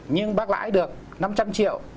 nhưng bác lãi được năm trăm linh triệu